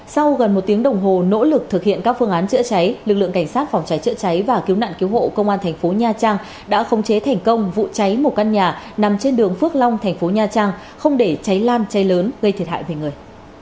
sau gần một tiếng đồng hồ nỗ lực thực hiện các phương án chữa cháy lực lượng cảnh sát phòng cháy chữa cháy và cứu nạn cứu hộ công an thành phố nha trang đã khống chế thành công vụ cháy một căn nhà nằm trên đường phước long thành phố nha trang không để cháy lan cháy lớn gây thiệt hại về người